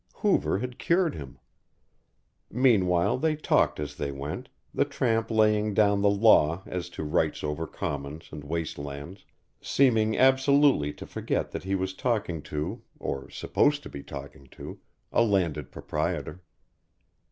Hoover had cured him. Meanwhile they talked as they went, the tramp laying down the law as to rights over commons and waste lands, seeming absolutely to forget that he was talking to, or supposed to be talking to, a landed proprietor.